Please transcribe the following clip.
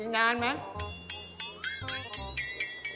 อีกนานเหมือนก่อน